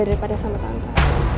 daripada sama tante